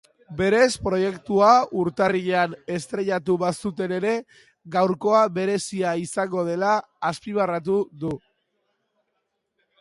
Berez proiektua urtarrilean estreinatu bazuten ere, gaurkoa berezia izango dela azpimarratu du.